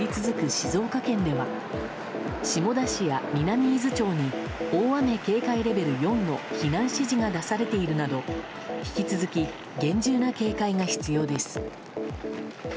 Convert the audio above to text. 静岡県では下田市や南伊豆町に大雨警戒レベル４の避難指示が出されているなど引き続き、厳重な警戒が必要です。